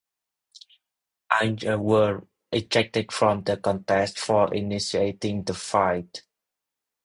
Ainge was ejected from the contest for initiating the fight.